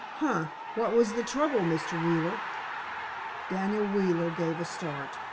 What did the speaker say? "Huh! What was the trouble, Mr. Wheeler?" Daniel Wheeler gave a start.